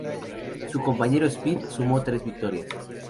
Su compañero Speed sumó tres victorias.